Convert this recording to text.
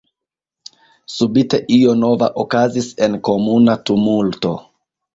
Subite io nova okazis en komuna tumulto.